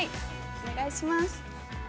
お願いします。